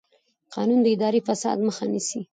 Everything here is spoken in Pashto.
قانون د اداري فساد مخه نیسي.